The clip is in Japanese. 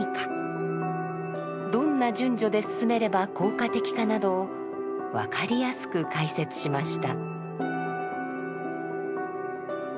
どんな順序で進めれば効果的かなどを分かりやすく解説しました。